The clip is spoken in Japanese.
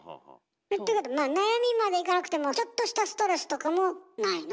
ていうことはまあ悩みまでいかなくてもちょっとしたストレスとかもないの？